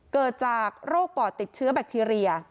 เกิดจากโรคปอดติดเชื้อแบคทีเรีย